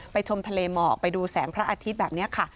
ชมทะเลหมอกไปดูแสงพระอาทิตย์แบบนี้ค่ะ